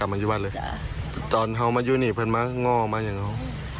มันกะส่งขอความคงครัวเธอตลอดเรื่องยังสิ่งเหลือแต่ว่ามันสิ่งมะขา